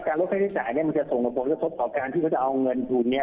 การลดค่าใช้จ่ายเนี่ยมันจะส่งกับผลทศพของการที่เขาจะเอาเงินถูกเนี้ย